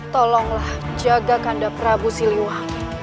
tolonglah jaga kanda prabu siliwan